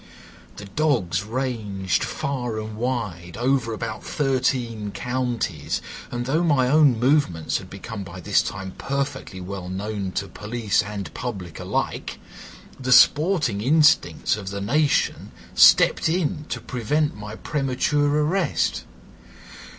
The dogs ranged far and wide over about thirteen counties, and though my own movements had become by this time perfectly well known to police and public alike, the sporting instincts of the nation stepped in to prevent my premature arrest.